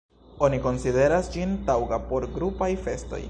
Oni konsideras ĝin taŭga por grupaj festoj.